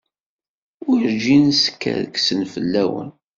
Werǧin skerkseɣ fell-awen.